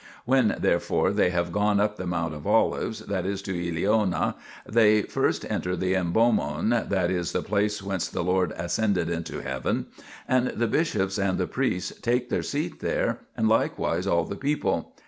When, therefore, they have gone up the Mount of Olives, that is, to Eleona, they first enter the Imbomon, that is, the place whence the Lord ascended into heaven, and the bishops and the priests take their seat there, and likewise all the people.